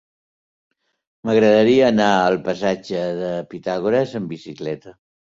M'agradaria anar al passatge de Pitàgores amb bicicleta.